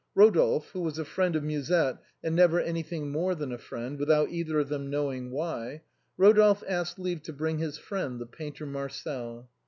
Eodolphe, who was a friend of Musette and never anything more than a friend, without either of them ever knowing wh}^ — Rodolphe asked leave to bring his friend, the painter Marcel.